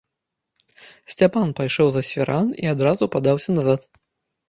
Сцяпан пайшоў за свіран і адразу падаўся назад.